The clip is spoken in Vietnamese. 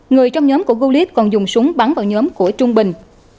người trong nhóm của golit còn dùng súng bắn vào nhóm của trung bình